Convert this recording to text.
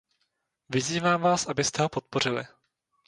Vyzývám vás, abyste ho podpořili.